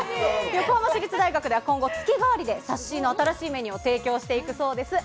横浜市立大学では今後、月替わりでサスシーの新しいメニューを提供していくそうです。